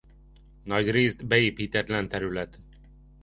Nagyrészt beépítetlen terület.